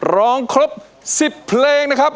ร้องครบ๑๐เพลงนะครับ